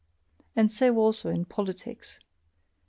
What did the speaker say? And so also in politicis.